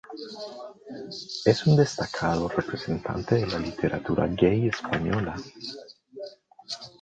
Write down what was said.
Es un destacado representante de la literatura gay española.